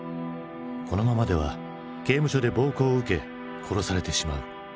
このままでは刑務所で暴行を受け殺されてしまう。